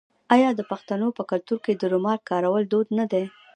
آیا د پښتنو په کلتور کې د رومال کارول دود نه دی؟